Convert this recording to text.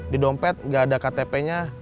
di dompet nggak ada ktp nya